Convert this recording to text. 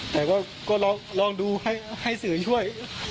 แต่ก็ลองดูให้สื่อช่วย